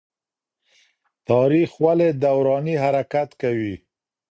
تاريخ ولي دوراني حرکت کوي؟